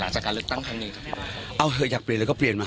จากการเลือกตั้งครั้งนี้ครับเอาเถอะอยากเปลี่ยนแล้วก็เปลี่ยนมา